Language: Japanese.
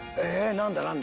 何だ？